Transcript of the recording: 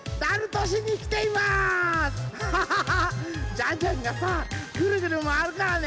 ジャンジャンがさぐるぐるまわるからね！